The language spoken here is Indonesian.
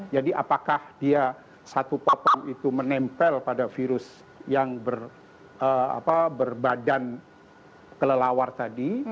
jadi apakah dia satu pop up itu menempel pada virus yang berbadan kelelawar tadi